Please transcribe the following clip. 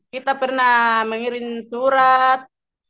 kita pernah mengirim surat